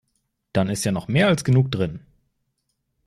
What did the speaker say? Dann ist ja noch mehr als genug drin.